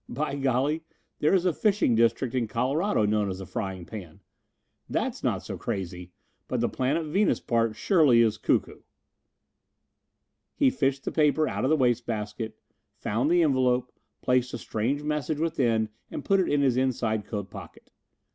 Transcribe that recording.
"By golly, there is a fishing district in Colorado known as the Frying Pan. That's not so crazy, but the planet Venus part surely is cuckoo." He fished the paper out of the waste basket, found the envelope, placed the strange message within and put it in his inside coat pocket.